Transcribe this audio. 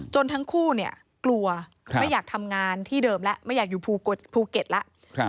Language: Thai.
ทั้งคู่กลัวไม่อยากทำงานที่เดิมแล้วไม่อยากอยู่ภูเก็ตแล้ว